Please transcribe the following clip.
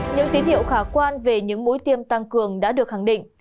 những tín hiệu khả quan về những mũi tiêm tăng cường đã được khẳng định